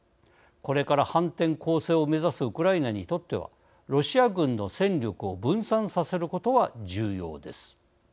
これから反転攻勢を目指すウクライナにとってはロシア軍の戦力を分散させることは重要です。